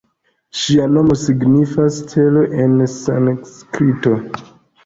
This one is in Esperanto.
Ŝia nomo signifas ""Stelo"" en sanskrito.